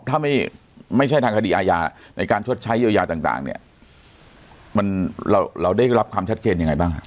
ถ้าไม่ใช่ทางคดีอาญาในการชดใช้อย่างต่างเราได้รับความชัดเกณฑ์ยังไงบ้าง